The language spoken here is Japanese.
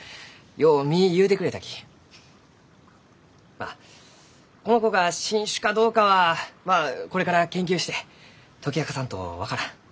まあこの子が新種かどうかはまあこれから研究して解き明かさんと分からん。